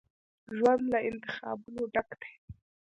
ژوند له انتخابونو ډک دی.